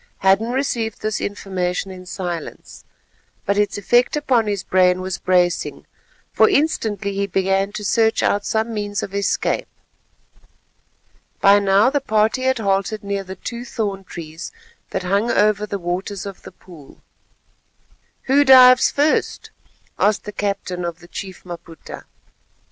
Hadden received this information in silence, but its effect upon his brain was bracing, for instantly he began to search out some means of escape. By now the party had halted near the two thorn trees that hung over the waters of the pool. "Who dives first," asked the captain of the Chief Maputa.